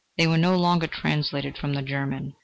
They were no longer translated from the German.